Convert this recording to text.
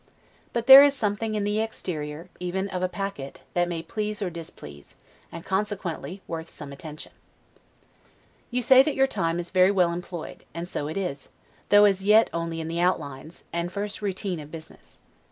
But there is something in the exterior, even of a packet, that may please or displease; and consequently worth some attention. You say that your time is very well employed; and so it is, though as yet only in the outlines, and first ROUTINE of business.